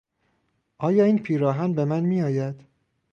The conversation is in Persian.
آیا این پیراهن به من میآید؟